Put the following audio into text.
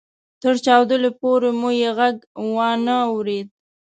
تر چاودلو پورې مو يې ږغ وانه اورېد.